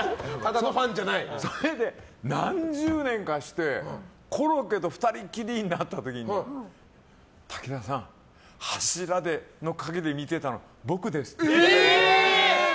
それで何十年かしてコロッケと２人きりになった時に武田さん、柱の陰で見てたのえー！